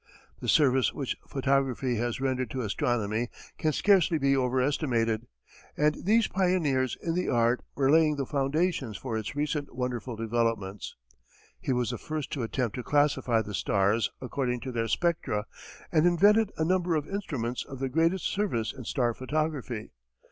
The service which photography has rendered to astronomy can scarcely be overestimated, and these pioneers in the art were laying the foundations for its recent wonderful developments. He was the first to attempt to classify the stars according to their spectra, and invented a number of instruments of the greatest service in star photography.